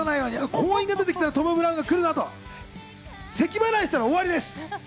鉱員が出てきたトム・ブラウンが来るなと、せき払いしたら終わりです。